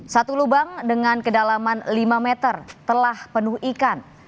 satu lubang dengan kedalaman lima meter telah penuh ikan